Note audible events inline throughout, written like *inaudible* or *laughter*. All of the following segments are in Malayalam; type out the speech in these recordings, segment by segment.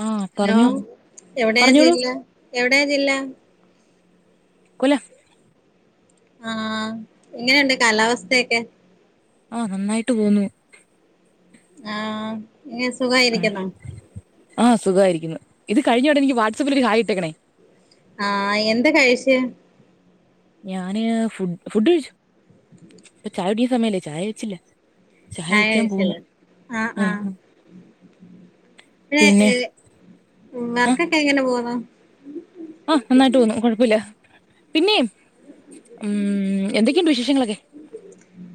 ആഹ് ഹലോ പറഞ്ഞോ എവിടെയാ പറഞ്ഞോളൂ ജില്ല എവിടെയാ ജില്ല കൊല്ല ആഹ് എങ്ങനെണ്ട് കാലാവസ്ഥയൊക്കെ? അഹ് നന്നായ്ട്ട് പോവുന്നു ആഹ് ങ്ങനെ സുഖായിരിക്കുന്നോ? ആഹ് സുഖായിരിക്കുന്നു ഇത് കഴിഞ്ഞൊടനെ എനിക്ക് വാട്സപ്പിലൊ ഹായ് ഇട്ടേക്കണേ ആഹ് എന്ത കഴിച്ചെ? ഞാന് ഫുട് ഫുഡ് കഴിച്ചു ചായുടിസമയല്ലേ ചായ വെച്ചില്ല ചായ വെക്കാൻ പോകുന്നു ചായാഴ്ചല്ലോ ആഹ് ആഹ് പിന്നെ ഏഹ് മൂന്നാർക്കെക്കെ എങ്ങനെ പോവ്ന്നു? അഹ് നന്നായിട്ട് പോകുന്നു കുഴപ്പേല്ല പിന്നെയും ഉം എന്തൊക്കെയുണ്ട് വിശേഷങ്ങളൊക്കെ?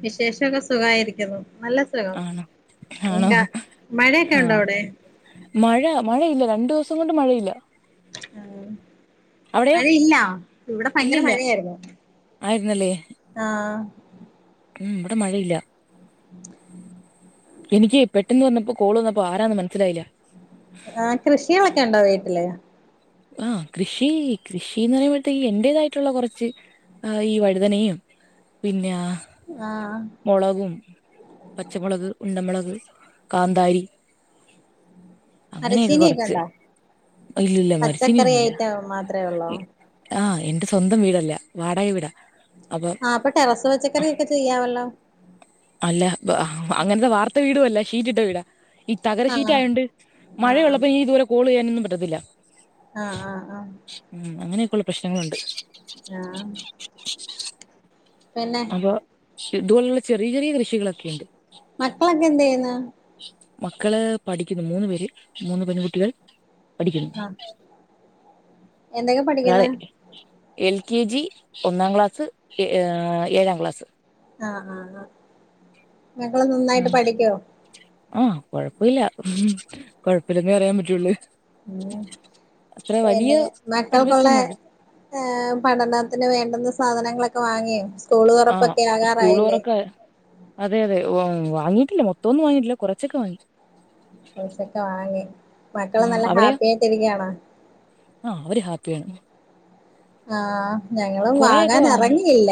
വിശേഷൊക്കെ സുഖായിരിക്കുന്നു നല്ല സുഖം ആണോ ആണോ എന്താ മഴയൊക്കെ ഉണ്ടോ ആഹ് അവിടെ? മഴ മഴയില്ല രണ്ടു ദൊവസം കൊണ്ട് മഴയില്ല ആഹ് അവിടെയോ മഴയില്ല ഇവിടെ ഭയങ്കര ഇല്ലില്ല മഴയായിരുന്നു ആയിരുന്നല്ലേ ആഹ് ഉം ഇവടെ മഴയില്ല എനിക്ക് പെട്ടെന്ന് വന്നപ്പോ കോൾ വന്നപ്പോ ആരാന്ന് മൻസ്സിലായില്ല ആഹ് കൃഷികളൊക്കെണ്ടോ വീട്ടില്? ആഹ് കൃഷി കൃഷീന്ന് പറയുമ്പഴ്ത്തേക്ക് എൻ്റേതായിട്ടുള്ള കൊറച്ച് ആഹ് യീ വഴുതനയും പിന്നാ ആഹ് മൊളകും പച്ചമുളക്, ഉണ്ടമുളക്, കാന്താരി *inaudible* അങ്ങനെയൊക്കെ കൊറച്ച് മരച്ചീന്യൊക്കെണ്ടോ ഇല്ലില്ല പച്ചക്കറി മരച്ചീനിയൊന്നുല്ല ഐറ്റം മാത്രേ ഒള്ളോ? ആഹ് എന്റെ സ്വന്തം വീടല്ല വാടക വീടാ അപ്പൊ അപ്പ ടെറസ് പച്ചക്കറിയെക്കെ ചെയ്യാവല്ലോ. അല്ല അപ്പ അഹ് അങ്ങൻത്തെ വാർത്ത വീട്വൊല്ല ഷീറ്റ്ട്ട വീടാ. ഈ തകര ആഹ് ശീറ്റായോണ്ട് ആഹ് മഴയുള്ളപ്പോ ഈ ത് പോലെ കോളെയ്യാനൊന്നും പറ്റത്തില്ല. ആഹ് ആഹ് ആഹ് ഉം അങ്ങനെയെക്കൊള്ള പ്രശ്നങ്ങള്ണ്ട്. ആഹ് പിന്നെ *unintelligible* ഇത്പോല്ള്ള ചെറിയ ചെറിയ കൃഷികളൊക്കെണ്ട്. മക്കളൊക്കെന്തെയ്യ്ന്ന്? മക്കള് പഠിക്കുന്നു മൂന്ന് പേര് മൂന്ന് പെൺകുട്ടികൾ പഠിക്കുന്നു. ആഹ് എന്തൊക്കെ ഒരാള് പഠിക്കുന്ന് എൽ കെ ജി, ഒന്നാം ക്ലാസ്സ്, എഹ് ഏഹ് ഏഴാം ക്ലാസ്. ആഹ് ആഹ് ആഹ് മക്കള് നന്നായിട്ട് പഠിക്കോ? ആഹ് കൊഴപ്പൊല്ല കൊഴപ്പില്ലന്നെ പറയാൻ പറ്റൊള്ള്. ഉം പിന്നെ മക്കൾക്കൊള്ളെ അഡ്ജസ്റ്റൊന്നുല്ല ഏഹ് പഠനത്തിന് വേണ്ടുന്ന സാധനങ്ങളൊക്കെ വാങ്ങ്യേ സ്കൂള് ആഹ് തോറപ്പൊക്കെ സ്കൂൾ ആകാറായില്ലേ. തുറക്ക അതെ യതെ വ് വാങ്ങിട്ടില്ല മൊത്തൊന്നും വാങ്ങിട്ടില്ല കൊറച്ചൊക്കെ വാങ്ങി. കൊർച്ചോക്കെ വാങ്ങി മക്കള് ആഹ് നല്ല അവിടെയോ ഹാപ്പിയായിട്ടിരിക്കാണോ? ആഹ് അവര് ഹാപ്പിയാണ്. ആഹ് ഞങ്ങള് കൊറെയൊക്കെ വാങ്ങി വാങ്ങാനെറങ്ങിയില്ല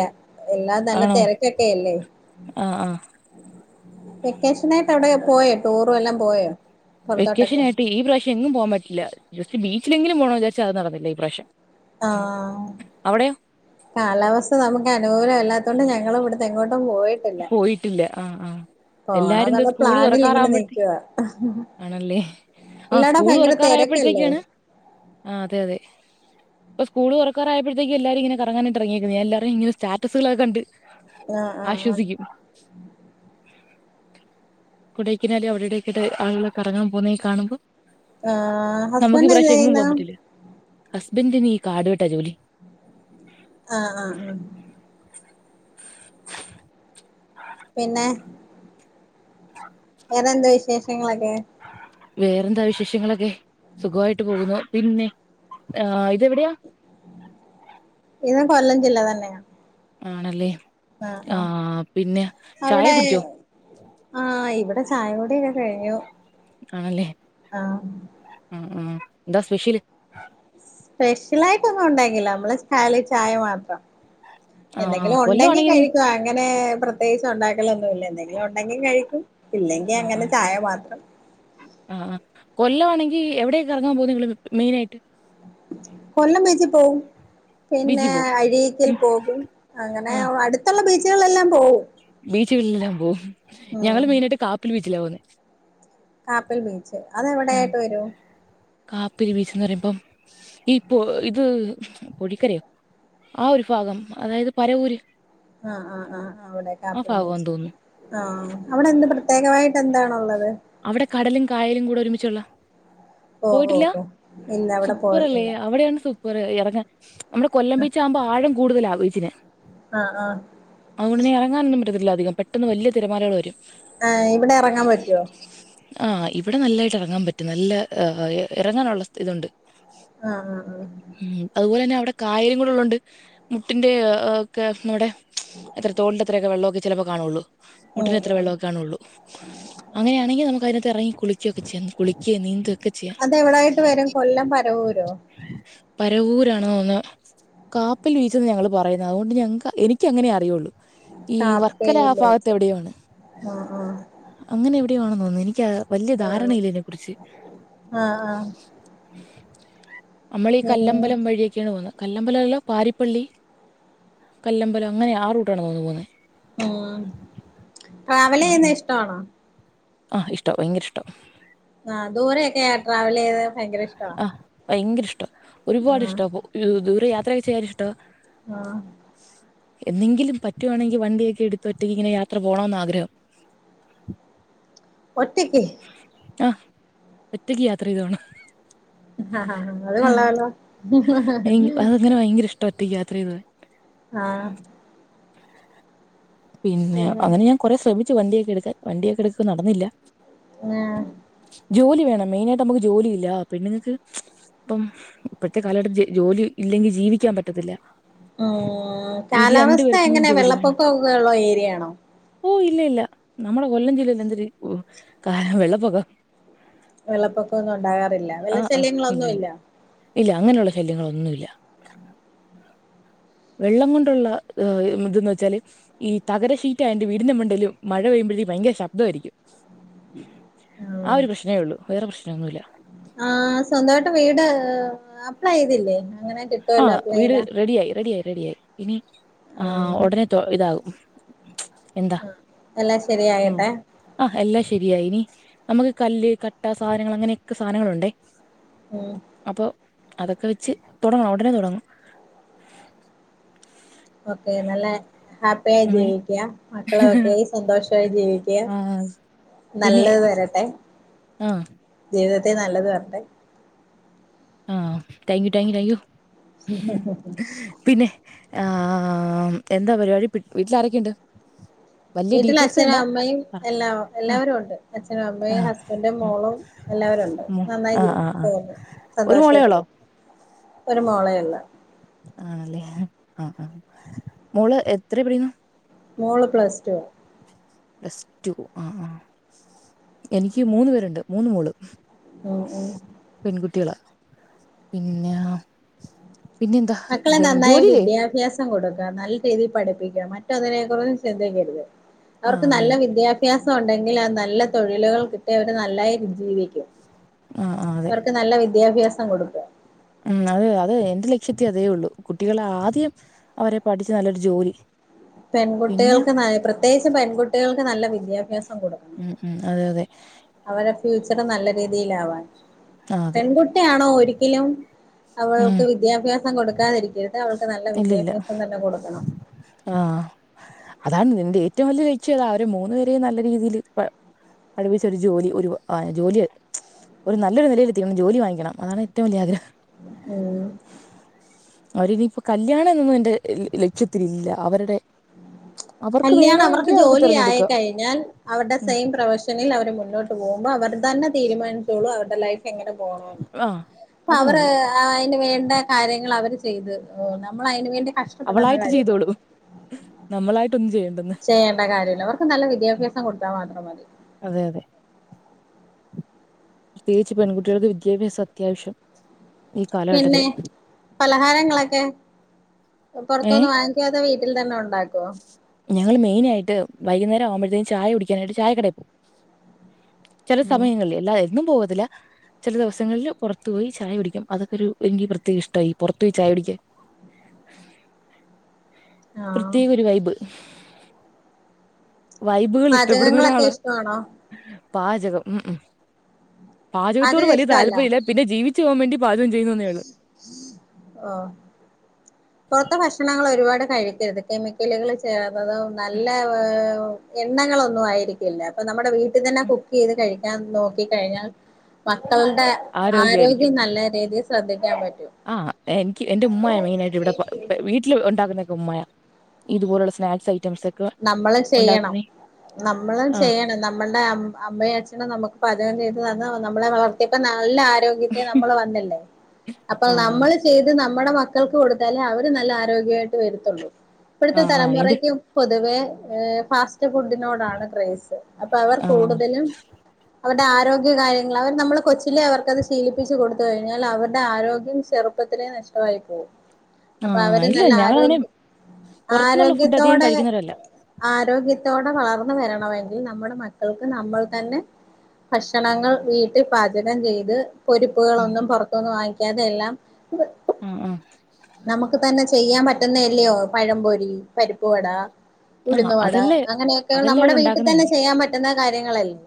എല്ലാ നല്ല ആണോ തെരക്കൊക്കെയെല്ലേ ആഹ് ആഹ് വെക്കേഷനായിട്ട് എവടെക്കെ പോയോ ടൂറു വല്ലാം പോയോ? പൊറത്തോട്ടൊക്കെ വെക്കേഷനായിട്ട് ഈ പ്രവശ്യെങ്ങും പോവാൻ പറ്റില്ല ജസ്റ്റ് ബീച്ചിലെങ്കിലും പോണോന്ന് വിചാര്ച്ച് അത് നടന്നില്ല ഈ പ്രാവശ്യം. ആഹ് അവിടെയോ കാലാവസ്ഥ നമക്കനുകൂലം അല്ലാത്തോണ്ട് ഞങ്ങളും ഇവട്ന്നെങ്ങോട്ടും പോയി പോയിട്ടില്ല ആഹ് ആഹ് എല്ലാരും ന്ത് പോണോന്നുള്ള സ്കൂള് പ്ലാനിൽ ഇങ്ങനെ തോറക്കാറാവുമ്പഴ് നിക്കുവാ ആണല്ലേ ആഹ് എല്ലാടോം സ്കൂൾ ഭയങ്കര തെരക്കല്ലേ തോറക്കാറായപ്പഴത്തേക്കാണ് ആഹ് അതെ യതെ ഇപ്പ സ്കൂള് തോറക്കാറായപ്പഴത്തേക്ക്‌ എല്ലാരുങ്ങന കറങ്ങാനായിട്ടെറങ്ങിക്ക്ണ് എല്ലാറുങ്ങന സ്റ്റാറ്റസുകളൊക്കെ കണ്ട്. ആഹ് ആഹ് ആഹ് ആശ്വസിക്കും. കൊടൈക്കനാല് അവടെ വടൊക്കയ്ട്ട് ആള്കള് കറങ്ങാൻ പോവുന്നെ കാണുമ്പോ ആഹ് നമക്ക് ഈ ഹസ്ബൻഡ് എന്ത് പ്രാവശ്യെങ്ങും ചെയ്യുന്നു പോവാൻ പറ്റില്ല ഹസ്ബൻ്റ്ന് ഈ കാട് വെട്ടാ ജോലി. ആഹ് ആഹ ആഹ് പിന്നെ വേറെന്താ വിശേഷങ്ങളൊക്കെ? വേറെന്താ വിശേഷങ്ങളൊക്കെ സുഖോയിട്ട് പോകുന്നു പിന്നെ ആഹ് ഇതെവിടെയാ? ഇത് കൊല്ലം ജില്ല തന്നെയാ ആണല്ലേ ആഹ് പിന്നെ ചായ അവിടെ കുടിച്ചോ? ആഹ് ഇവിടെ ചായകുടിയൊക്കെ കഴിഞ്ഞു ആണല്ലേ ആഹ് ഉം ഉം എന്താ സ്പെഷ്യല് സ്പെഷ്യലയിട്ടൊന്നും ഉണ്ടാക്കില്ല നമ്മള് കാലി ചായ മാത്രം ആ ആ എന്തെങ്കിലും ഉണ്ടെങ്കി കൊല്ലമാണെങ്കിൽ കഴിക്കു അങ്ങനെ പ്രത്യേകിച്ച് ഉണ്ടാക്കലൊന്നുല്ലേന്നെ ഉണ്ടെങ്കിൽ കഴിക്കും ഇല്ലെങ്കിൽ അങ്ങനെ ചായമാത്രം ആഹ് ആഹ് കൊല്ലാണങ്കിൽ എവിടെയൊക്കെ കറങ്ങാൻ പോകുന്നെ നിങ്ങള് മെയിനയിട്ട് കൊല്ലം ബിച്ചി പോവും പിന്നെ ബീച്ചിൽ പോവും അഴീക്കിൽ പോകും അങ്ങനെ അടുത്തുള്ള ബീച്ചുകളെല്ലാം പോകും ബീച്ചുകളളെല്ലാം പോവും ഞങ്ങള് മെയിനായിട്ട് കാപ്പിൽ ബീച്ചിലാ പോകുന്നെ കാപ്പിൽ ബീച്ച് അത് എവിടെയായിട്ട് വരും കാപ്പിരി ബീച്ച്ന്ന് പറയുമ്പം ഇപ്പൊ ഇത് പൊടിക്കരയോ ആ ഒരു ഭാഗം അതായത് പരവൂര് ആഹ് ആഹ് ആഹ് ആഹാ അവിടെ ആ കാപ്പിരി ബീച്ച് ഭാഗമാന്ന് തോന്നുന്നു ആഹ് അവിടെ എന്ത് പ്രത്യേകവായിട്ട് എന്താണുള്ളത് അവിടെ കടലും കായലും കൂടെ ഒരുമിച്ചുള്ള ഓ ഓ പോയിട്ടില്ല ഓ ഇല്ല അവിടെ സൂപ്പർ അല്ലേ പോയിട്ടില്ല അവിടെയാണ് സൂപ പറ് ഇറങ്ങ നമ്മുടെ കൊല്ലം ബീച്ചാകുമ്പോ ആഴം കൂടുതല ബീച്ചിന് ആഹ് ആഹ് അതുകൊണ്ട് ഇനി ഇറങ്ങാനൊന്നുംപറ്റത്തില്ല അധിക പെട്ടെന്നു വലിയ തിരമാലകൾ വരും ആഹ് ഇവിടെ ഇറങ്ങാൻ പറ്റുവോ ആഹ് ഇവിടെ നല്ലായിട്ട് ഇറങ്ങാൻ പറ്റും നല്ല ഇറങ്ങാനുള്ള ഇതുണ്ട് ആഹ് ആഹ് ആഹ് ഉം അതുപോലെ തന്നെ അവിടെ കായൽ കൂടെ ഉള്ളോണ്ട് മുട്ടിന്റെക്കെ നമ്മടെ എത്ര തോളിന്റെ അത്രയൊക്കെ വെള്ളമൊക്കെ ചിലപ്പോ കാണുള്ളൂ മുട്ടന്റെ ഉം അത്ര ഉം വെള്ളക്കെ കാണുള്ളൂ അങ്ങനെയാണെങ്കിൽ നമുക്ക് അതിനത്ത് ഇറങ്ങി കുളിക്കൊക്കെ ചെയ്യ കുളിക്കിയ നീന്തൊക്കെ അതെവിടായിട്ട് വരും കൊല്ലം പരവൂരോ പരവൂരാണോന്ന് കാപ്പൽ ബിച്ചന്ന് ഞങ്ങൾ പറയുന്നത് അതുകൊണ്ട് ഞങ്ങൾക്ക് എനിക്ക് അങ്ങനെ അറിയുള്ളൂ ഈ വർക്കല കാപ്പേൽ ആ ഭാഗത്ത് ബീച്ച് എവിടെയോ ആണ് ആഹ് ആഹ് അങ്ങനെ എവിടെ ആണെന്ന് തോന്നുന്നു എനിക്ക് വലിയ ആഹ് ധാരണയില്ല ഇതിനെ കുറിച്ച് ആഹ് ആഹ് നമ്മൾ ഈ പിന്നെ കല്ലമ്പലം വഴിയൊക്കെയാണ് പോകന്നുന്നത് കല്ലമ്പലമല്ല പാരിപ്പള്ളി കല്ലമ്പലം അങ്ങനെ ആ റൂട്ടാണ് തോന്നു പോകുന്നേ ആഹ് ട്രാവല് ചെയ്യുന്ന ഇഷ്ടാണോ ആഹ് ഇഷ്ട ഭയങ്കര ഇഷ്ടാ ആഹ് ദൂരെക്കെ ട്രാവൽ ചെയ്ത് ഭയങ്കര ഇഷ്ടമാ ആഹ് ഭയങ്കര ഇഷ്ടം ഒരുപാട് ഇഷ്ട ദൂരെ യാത്രൊക്കെ ചെയ്യാ ഇഷ്ടമാ ആഹ് എന്നെങ്കിലും പറ്റുവാണെങ്കിൽ വണ്ടിയൊക്കെ എടുത്ത ഒറ്റയ്ക്ക് ഇങ്ങനെ യാത്ര പോകണന്ന് ആഗ്രഹം *inaudible* ഒറ്റക്ക് ആഹ് ഒറ്റയ്ക്ക് യാത്ര ചെയ്തോണം ആഹ് ആഹ് അത് കൊള്ളാലോ അങ്ങനെ ഭയങ്കര ഇഷ്ട ഒറ്റക് യാത്ര ചെയുന്നത് ആഹ് പിന്നെ അങ്ങനെ ഞാൻ കൊറെ ശ്രമിച്ചു വണ്ടിയൊക്കെ എടുക്കാൻ വണ്ടിയൊക്കെ എടുക്ക നടന്നില്ല ആഹ് ജോലി വേണം മെയിനായിട്ട് നമുക്ക് ജോലി ഇല്ല പെണ്ണുങ്ങൾക്ക് ഇപ്പം ഇപ്പോഴത്തെ കാലഘട്ട ജോലി ഇല്ലെങ്കിൽ ജീവിക്കാൻ പറ്റത്തില്ല ഉം വീട്ടിൽ രണ്ടു കാലാവസ്ഥ പേർക്കും എങ്ങനെ ജോലി വേണം വെള്ളപ്പൊക്കൊക്കെ ഉള്ള ഏരിയയാണോ ഓ ഇല്ല ഇല്ല നമ്മളുടെ കൊല്ലം ജില്ലയിൽ എന്ത വെള്ളപ്പൊക്കം വെള്ളപ്പൊക്കമൊന്നും ഉണ്ടാകാറില്ല വെള്ള ശല്യങ്ങളൊന്നും ഇല്ല ഇല്ല അങ്ങനെയുള്ള ശല്യങ്ങളൊന്നുല്ല വെള്ളം കൊണ്ടുള്ള ഇതന്ന് വെച്ചാല് ഈ തകരശീറ്റ അതിന്റെ വീടിന്റെ മണ്ടേലും മഴ പെയ്യുമ്പഴേ ഭയങ്കര ശബ്ദമായിരിക്കും ആഹ് ഒരു പ്രശ്നേ ള്ളൂ വേറെ പ്രശ്ന ഒന്നുല്ല ആഹ് സ്വന്തമായിട്ട് വീട് അപ്ലൈ ചെയ്തില്ലേ അങ്ങനെ കിട്ട ആഹ് വീട് റെഡിയായി റെഡിയായി റെഡിയായി ഇനി ആ ആഹ് ഉടനെ ത ഇതാകും എന്താ ആഹ് എല്ലാം ആഹ് ശരിയാകട്ടെ ആഹ് എല്ലാം ശരിയായി ഇനി നമുക്ക് കല്ല് കട്ട സാനങ്ങൾ അങ്ങനെയൊക്കെ സാധനങ്ങളുണ്ടേ ആഹ് അപ്പൊ അതൊക്കെ വെച്ച് തുടങ്ങും ഉടനെ തുടങ്ങും ഓക്കെ നല്ല ഹാ യായി അങ്ങനെ ജീവിക്ക മക്കളൊക്കെ സന്തോഷമായി ജീവിക്ക ആ പിന്നെ നല്ലത് വരട്ടെ ആ ജീവിതത്തെ നല്ലത് വരട്ടെ ആഹ് thank you thank you thank you പിന്നെ ആഹ് എന്താ പരിപാടി വീട്ടിലാരൊക്കെയുണ്ട് വലിയ വീട്ടിൽ ഡീറ്റെയിൽസ് അച്ഛനും വേണ്ട അമ്മയും എല്ലാ ആഹ് എല്ലാവരും ഉണ്ട് അച്ഛനും അമ്മയും ഹസ്ബന്റും ആഹ് മോളും എല്ലാവരും ഉണ്ട് മ് നന്നായി ആഹ് ആഹ് ആഹ് പോവുന്നു ഒരു മോളേ സന്തോഷായിട്ട് ഒള്ളോ പോ ഒരു മോളെയുള്ളൂ ആല്ലെ ആഹ് ആഹ് മോള് എത്രയീ പിടീക്കുണു മോള് പ്ലസ് ടുവാ പ്ലസ് ടു ആഹ് ആഹ് എനിക്ക് മൂന്ന് പേരുണ്ട് മൂന്ന് മോള് ഉം ഉം പെൺകുട്ടികളാ പിന്നെ പിന്നെ എന്താ ജോലില്ലേ സം കൊടുക്കാ നല്ല രീതിയിൽ പഠിപ്പിക്ക മറ്റൊന്നിനേം കുറിച്ച് ചിന്തിക്കരുത് ആഹ് അവർക്ക് അതെ നല്ല അതെ വിദ്യാ ഭ്യാസം ഉണ്ടെങ്കിൽ ആ നല്ല തൊഴിലുകൾ കിട്ടി അവര് നല്ലായി ജീവിക്കും ആഹ് ആഹ് അതെ അവർക്ക് നല്ല വിദ്യാഭ്യാസം കൊടു ഉം അത് അത് എന്റെ ലക്ഷ്യത്തി അതേ ഉള്ളു കുട്ടികള് ആദ്യം അവരെ പഠിച്ച് നല്ലൊരു ജോലി പിന്നെ പെൺകുട്ടികൾക്ക് നല്ല പ്രത്യേകിച്ചും പെൺകുട്ടികൾക്ക് നല്ല വിദ്യാഭ്യാസം കൊടുക്കണം ഉം ഉം അതെ അതെ അവരെ ഫ്യൂച്ചർ നല്ല രീതിലാവാൻ ആഹ് അതെ പെൺകുട്ടിയാണോ ഒരിക്കലും ഉം അവൾക്ക് വിദ്യാഭ്യാസം കൊടുക്കാതിരിക്കരുത് അവൾക്ക് നല്ല ഇല്ലില്ല വിദ്യാഭ്യാസം തന്നെ കൊടുക്കണം. ആഹ് അതാണ് ഇന്റെ ഏറ്റവും വലിയ ലക്ഷ്യതാ അവര് മൂന്നു പേരെയും നല്ല രീതിയിൽ പ പഠപ്പിച്ചൊരു ജോലി ഒരു ആഹ് ജോലിയ ഒരു നല്ലൊരു നിലയിലത്തിക്കണം ജോലി വാങ്ങിക്കണം അതാണ് ഏറ്റവും വലിയ ആഗ്രഹം ഉം അവരിനിയിപ്പോ കല്യാണം എന്നൊന്നും എന്റെ ലക്ഷ്യത്തിലില്ല അവരുടെ അവർക്ക് കല്യാണം അവർക്ക് വേണമെങ്കിൽ ജോലി ആയി തിരഞ്ഞെടുക്കാം കഴിഞ്ഞാൽ അവരുടെ ഉം സെയിം പ്രൊഫഷ ണിൽ അവര് മുന്നോട്ട് പോകുമ്പോ അവർ തന്നെ തീരുമാനിച്ചോളൂ അവരുടെ ലൈഫ് എങ്ങനെ പോണു. ന്ന് ആഹ് പ്പൊ അത് അവറ് മതി ആഹ് അയിന് വേണ്ട കാര്യങ്ങൾ അവര് ചെയ്ത്. ഓ നമ്മൾ അയിന് വേണ്ടി കഷ്ടപ്പെടേണ്ട അവളായിട്ട് കാര്യമില്ല ചെയ്തോളും. നമ്മളായിട്ട് ഒന്നും ചെയ്യ ചെയ്യേണ്ട കാര്യല്ല. അവർക്ക് നല്ല വിദ്യാഭ്യാസം കൊടുത്താൽ മാത്രം മതി. അതെ അതെ ത്യേകിച്ച് പെൺകുട്ടികൾക്ക് വിദ്യാഭ്യാസം അത്യാവശ്യാ പിന്നെ പലഹാരങ്ങളൊക്കെ ഏഹ് പുറത്തുന്ന് വാങ്ങ്. ങ്ങിയതോ വീട്ടിൽ തന്നെ ഉണ്ടാക്കോ ഞങ്ങള് മെയിനായിട്ട് വൈകുന്നേരം ആവുമ്പത്തേക്കും ചായ കുടിക്കാനായിട്ട് ചായ കടയിൽ പോവും. ചില ഉം സമയങ്ങളിൽ എല്ലാ എന്നും പോകത്തില്ല. ചില ദിവസങ്ങളിൽ പുറത്തു പോയി ചായ കുടിക്കും അതൊക്കെ ഒരുഎനിക്ക് പ്രത്യേക ഇഷ്ടാ ഈപുറത്തു പോയി ചായ കുടിക്കാൻ ആഹ് ത്യേക ഒരു വൈബ്. വൈബുകൾ ഇഷ്ടപ്പെടുന്ന പാചകങ്ങളൊക്കെ ഒരാളാ. ഇഷ്ടമാണോ? പാചകം ഉം ഉം പാചകത്തോട് പാചകം വലിയ ഇഷ്ടമല്ല താല്പര്യല്ല. പിന്നെ ജീവിച്ച് പോവാൻ വേണ്ടി പാചകം ചെയ്യുന്നെന്നുള്ളൂ. ആഹ് പുറത്തെ ഭക്ഷണങ്ങൾ ഒരുപാട് കഴിക്കരുത്. കെമിക്കലുകൾ ചേർന്നതും നല്ല എണ്ണകളൊന്നും ആയിരിക്കില്ല. അപ്പൊ നമ്മുടെ വീട്ടിൽ തന്നെ കുക്ക് ചെയ്ത് കഴിക്കാൻ നോക്കി ക്കഴിഞ്ഞാൽ മക്കളുടെ ആരോഗ്യമായിരിക്കും ആരോഗ്യം നല്ല രീതിയിൽ ശ്രദ്ധിക്കാൻ പറ്റും. ആഹ് എനിക്ക് എന്റെ ഉമ്മായാ മെയിനായിട്ട് ഇവിടെ വീട്ടില് ഉണ്ടാക്കുന്നൊക്കെ ഉമ്മായാ. ഇതുപോലുള്ള സ്നാക്സ് ഐറ്റംസ്. നമ്മള് ചെയ്യണം. ഉണ്ടാക്കുന്നേ നമ്മള് ആ ചെയ്യണം. ന നമ്മളുടെ അമ്മയും അച്ഛനും നമ്മുക്ക് പാചകം ചെയ്ത് തന്ന്. നമ്മളെ വളർത്തിയപ്പോ നല്ല ആര്യോ ഗ്യത്തിൽ നമ്മള് വന്നില്ലേ അപ്പ ആ നമ്മള് ചെയ്ത് നമ്മുടെ മക്കൾക്ക് കൊടുത്താലേ അവര് നല്ല ആരോഗ്യായിട്ട് വരുത്തുള്ളൂ. ആ ഇപ്പോഴത്തെ ആ എന്റെ തലമുറക്കും. പൊതുവെ ഫാസ്റ്റ് ഫുഡിനോടാണ് ക്രേയ്സ് അപ്പൊ അവർ ആ കൂടുതലും. അവര്ടെ ആരോഗ്യകാര്യങ്ങള് അവര് നമ്മള് കൊച്ചിലെ അവർക്കത് ശീലിപ്പിച്ച് കൊടുത്ത്. കഴിഞ്ഞാല് വരുടെ ആരോഗ്യം ചെറു ചെറുപ്പത്തിലേ നഷ്ടോ ആയിപ്പോകും. ആ അപ്പൊ അവര് ഇല്ല നല്ല ഞങ്ങളങ്ങനെ ആരോഗ്യ പുറത്തുന്നുള്ള ഫുഡ് അധികം ആരോഗ്യത്തോടെ. കഴിക്കുന്നവരല്ല ആരോഗ്യത്തോടെ വളർന്നു വരണമെങ്കിൽ നമ്മുടെ മക്കൾക്ക് നമ്മൾ തന്നെ. ഭക്ഷണങ്ങൾ വീട്ടിൽ പാചകം ചെയ്ത്. ഉം പൊരിപ്പുകളൊന്നും പൊറത്തുന്നും വാങ്ങിക്കാതെല്ലാം. ഉം ഉം നമുക്ക് തന്നെ ചെയ്യാൻ പറ്റുന്നല്ലയോ പഴംപൊരി, പരിപ്പുവട. ആ ഉടുന്നു വട അതല്ലേ അങ്ങനെയൊക്കെ അതെല്ലാം നമ്മടെ ഇവിടെ വീട്ടിൽ തന്നെ ചെയ്യാൻ പറ്റുന്ന കാര്യങ്ങളല്ലേ.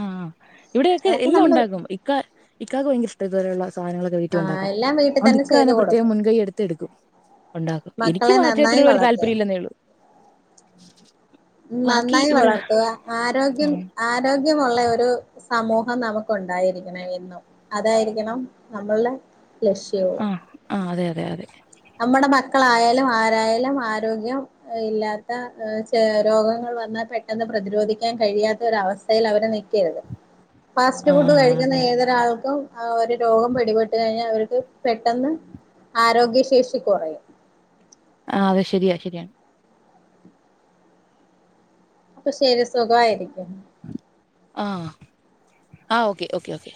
ആഹ് ഇവിടെയക്കെ അതൊക്കെ എല്ലാം നമ്മള് ഉണ്ടാക്കും ഇക്ക ഇക്കാക്ക് ഭയങ്കര ഇഷ്ടാ ഇതു പോലുള്ള സാനങ്ങള്. വീട്ടീ ആ ഒണ്ടാക്കാൻ എല്ലാം വീട്ടിൽ അതൊണ്ട് ഇക്ക ചെയ്തു തന്നെ പ്രത്യേകം കൊടുക്കണം മുൻകൈ എടുത്ത് എടുക്കും. ഒണ്ടാക്കും എനിക്ക് മക്കളെ നന്നായി വാചകത്തിനോട് വല്യ വളർത്തുക താല്പര്യല്ലെന്നേള്ളൂ. *inaudible* ബാക്കി നന്നായി ഇവിടെ വളർത്തുക. ആരോഗ്യം ഉം, ആരോഗ്യമുള്ള ഒരു സമൂഹം നമുക്ക് ഒണ്ടായിരിക്കണം എന്നും. അതായിരിക്കണം നമ്മളുടെ ലക്ഷ്യവും. ആഹ് ആ അതെ അതെ അതെ നമ്മുടെ മക്കളായാലും ആരായാലും ആരോഗ്യം. ഇല്ലാത്ത ഏഹ് ചെ രോഗങ്ങൾ വന്നാ പെട്ടെന്ന് പ്രതിരോധിക്കാൻ കഴിയാത്ത ഒരവസ് ത്തേൽ അവടെ നിക്കരുത്. ഫാസ്റ്റ് ആ ഫുഡ് ആ, കഴിക്കുന്ന അതെ ഏതൊരാൾക്കും ആ ഒരു രോഗം പിടിപെട്ട് കഴിഞ്ഞാ അവർക്ക് പെട്ടെന്ന് ആരോഗ്യശേഷി കൊറയും. ആഹ് അത് ശരിയാ ശരിയാണ്. അപ്പൊ ശരി സുഖായിരിക്കുന്നു. ആഹ് ആഹ് ഓക്കെ ഓക്കെ ഓക്കെ